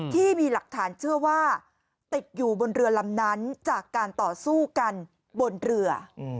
ที่มีหลักฐานเชื่อว่าติดอยู่บนเรือลำนั้นจากการต่อสู้กันบนเรือ